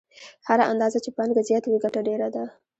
هره اندازه چې پانګه زیاته وي ګټه ډېره ده